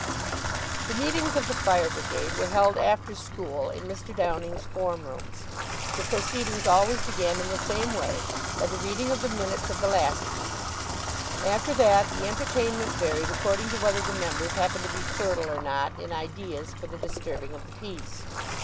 The meetings of the Fire Brigade were held after school in Mr. Downing's form room. The proceedings always began in the same way, by the reading of the minutes of the last meeting. After that the entertainment varied according to whether the members happened to be fertile or not in ideas for the disturbing of the peace.